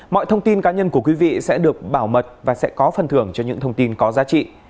mọi thông tin cá nhân của quý vị sẽ được bảo mật và sẽ có phần thưởng cho những thông tin có giá trị